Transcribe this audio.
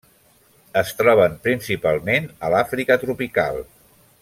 Es troben principalment a l'Àfrica tropical.